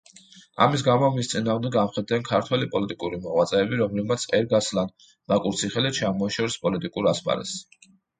ამის გამო მის წინააღმდეგ ამხედრდნენ ქართველი პოლიტიკური მოღვაწეები, რომლებმაც ეგარსლან ბაკურციხელი ჩამოაშორეს პოლიტიკურ ასპარეზს.